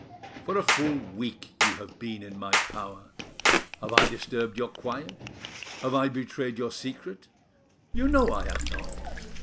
For a full week you have been in my power. Have I disturbed your quiet? Have I betrayed your secret? You know I have not.